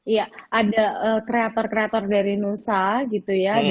iya ada kreator kreator dari nusa gitu ya